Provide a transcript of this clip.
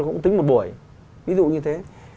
không tính một buổi ví dụ như thế